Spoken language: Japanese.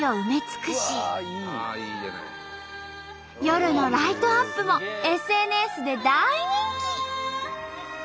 夜のライトアップもＳＮＳで大人気！